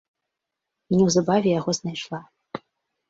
І неўзабаве яго знайшла.